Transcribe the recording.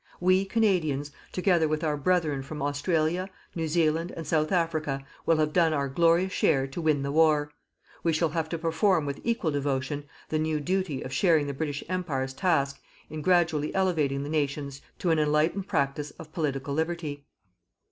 We, Canadians, together with our brethren from Australia, New Zealand and South Africa, will have done our glorious share to win the war. We shall have to perform with equal devotion the new duty of sharing the British Empire's task in gradually elevating the nations to an enlightened practice of Political Liberty.